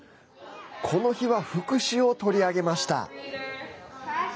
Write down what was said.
この日は副詞を取り上げました。